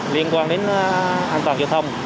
liên quan đến an toàn giao thông